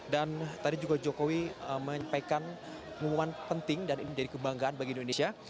dan tadi juga jokowi menyampaikan pengumuman penting dan ini menjadi kebanggaan bagi indonesia